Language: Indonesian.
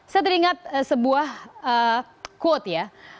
saya teringat sebuah quote ya